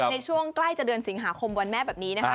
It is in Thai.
ในช่วงใกล้จะเดือนสิงหาคมวันแม่แบบนี้นะคะ